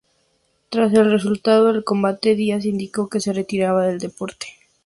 Tras el resultado del combate, Diaz indicó que se retiraba del deporte.